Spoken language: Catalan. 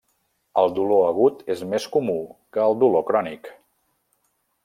El dolor agut és més comú que el dolor crònic.